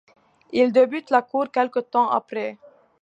Il débute la course quelque temps après.